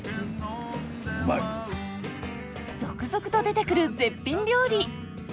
続々と出てくる絶品料理！